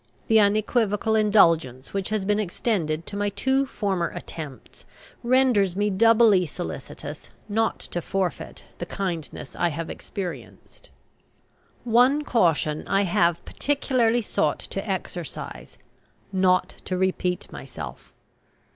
The unequivocal indulgence which has been extended to my two former attempts, renders me doubly solicitous not to forfeit the kindness I have experienced. One caution I have particularly sought to exercise: "not to repeat myself."